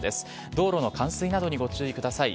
道路の冠水などにご注意ください。